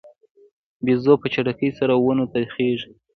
بیزو په چټکۍ سره ونو ته خیژي.